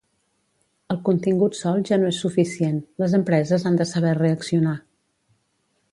El contingut sol ja no és suficient, les empreses han de saber reaccionar.